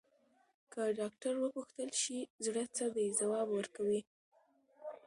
که ډاکټر وپوښتل شي، زړه څه دی، ځواب ورکوي.